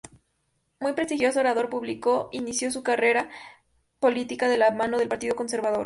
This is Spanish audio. Muy prestigioso orador público, inició su carrera política de la mano del Partido Conservador.